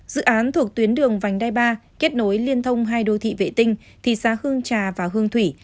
dự án thuộc tuyến đường vành đai ba kết nối liên thông hai đô thị vệ tinh thị xã hương trà và hương thủy